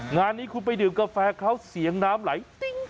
งานนี้คุณไปดื่มกาแฟเขาเสียงน้ำไหลติ๊ง